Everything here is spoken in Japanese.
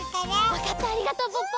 わかったありがとうポッポ。